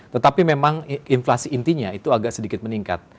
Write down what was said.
tetapi memang inflasi intinya itu agak sedikit meningkat